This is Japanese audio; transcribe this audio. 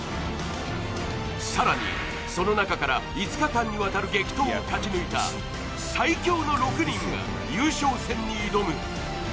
更に、その中から５日間にわたる激闘を勝ち抜いた最強の６人が優勝戦に挑む。